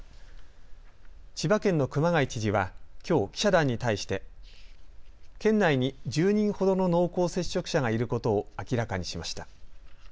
千葉県の熊谷知事は、きょう記者団に対して県内に１０人ほどの濃厚接触者がいることを明らかにしました。